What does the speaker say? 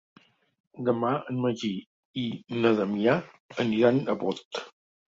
Demà en Magí i na Damià aniran a Bot.